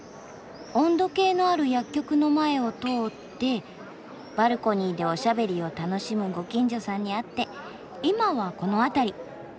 温度計のある薬局の前を通ってバルコニーでおしゃべりを楽しむご近所さんに会って今はこの辺り。